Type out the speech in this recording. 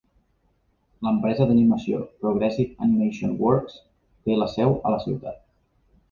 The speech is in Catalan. L'empresa d'animació Progressive Animation Works té la seu a la ciutat.